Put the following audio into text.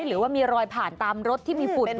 หรือว่ามีรอยผ่านตามรถที่มีฝุ่น